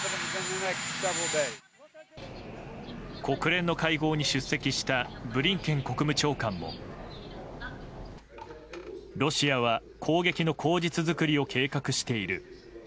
国連の会合に出席したブリンケン国務長官もロシアは攻撃の口実作りを計画している。